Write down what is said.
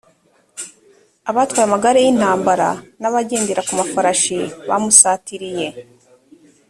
abatwaye amagare y intambara n abagendera ku mafarashi bamusatiriye